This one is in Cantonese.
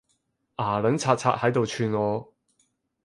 牙撚擦擦喺度串我